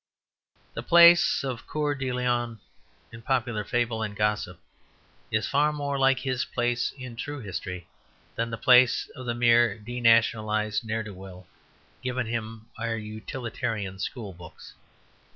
The place of Coeur de Lion in popular fable and gossip is far more like his place in true history than the place of the mere denationalized ne'er do weel given him in our utilitarian school books.